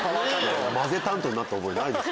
混ぜ担当になった覚えないです。